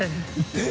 えっ？